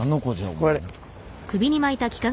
これ。